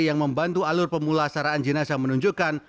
yang membantu alur pemula saraan jenazah menunjukkan